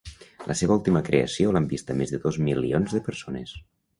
La seva última creació l’han vista més de dos milions de persones.